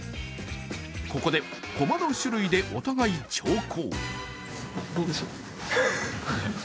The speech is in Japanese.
ここで駒の種類でお互い長考。